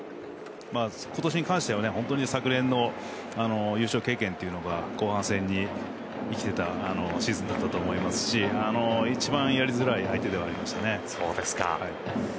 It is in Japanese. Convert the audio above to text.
今年に関しては本当に昨年の優勝経験が後半戦に生きていたシーズンだったと思いますし一番やりづらい相手ではありましたね。